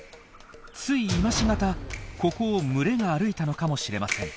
つい今し方ここを群れが歩いたのかもしれません。